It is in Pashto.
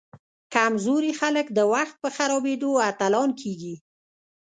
کمزوري خلک د وخت په خرابیدو اتلان کیږي.